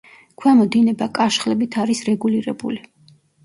ქვემო დინება კაშხლებით არის რეგულირებული.